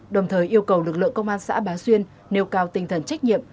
đồng thời yêu cầu lực lượng công an xã bá xuyên nêu cao tinh thần trách nhiệm